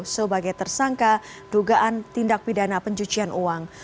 sebagai tersangka dugaan tindak pidana pencucian uang